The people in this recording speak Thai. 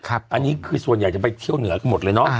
อันนี้คือส่วนใหญ่จะไปเที่ยวเหนือกันหมดเลยเนาะ